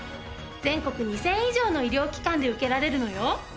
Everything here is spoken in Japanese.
全国２０００以上の医療機関で受けられるのよ。